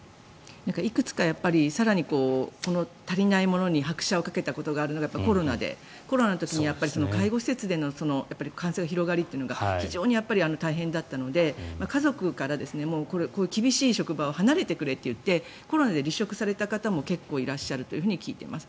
いくつか更に足りないものに拍車をかけたことがあるのがコロナでコロナの時に介護施設での感染の広がりというのが非常に大変だったので家族から厳しい職場を離れてくれといってコロナで離職された方もいると聞いています。